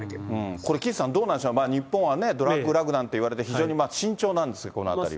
これ、岸さん、どうなんでしょうね、日本はドラッグラグなんていわれて、非常に慎重なんですが、このあたりは。